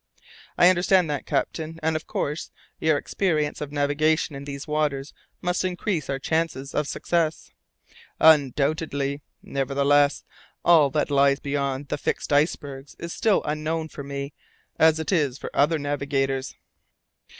"I understand that, captain, and of course your experience of navigation in these waters must increase our chances of success." "Undoubtedly. Nevertheless, all that lies beyond the fixed icebergs is still the Unknown for me, as it is for other navigators."